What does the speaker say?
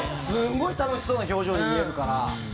すごい楽しそうな表情に見えるから。